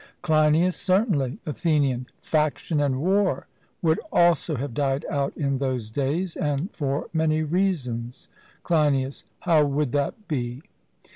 CLEINIAS: Certainly. ATHENIAN: Faction and war would also have died out in those days, and for many reasons. CLEINIAS: How would that be?